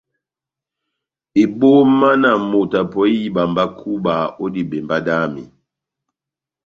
Ebóma na moto apɔhi ihíba mba kúba ó dibembá dami !